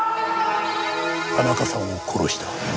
田中さんを殺した。